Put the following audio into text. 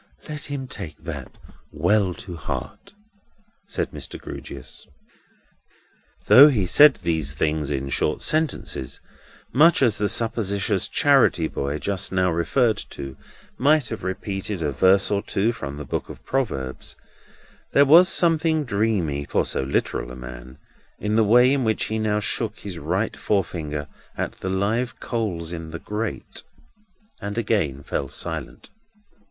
Let him take that well to heart," said Mr. Grewgious. Though he said these things in short sentences, much as the supposititious charity boy just now referred to might have repeated a verse or two from the Book of Proverbs, there was something dreamy (for so literal a man) in the way in which he now shook his right forefinger at the live coals in the grate, and again fell silent.